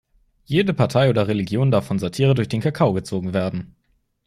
Jede Partei oder Religion darf von Satire durch den Kakao gezogen werden.